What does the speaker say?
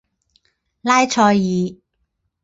拉塞尔。